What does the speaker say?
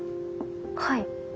はい。